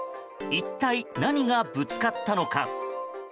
一体何がぶつかったのか。